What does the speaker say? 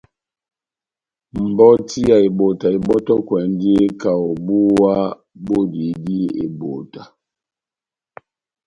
Mbɔti ya ebota ebɔ́tɔkwɛndi kaho búwa bodihidi ebota.